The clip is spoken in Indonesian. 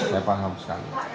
saya paham sekali